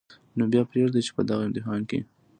نو بیا پرېږدئ چې په دغه امتحان کې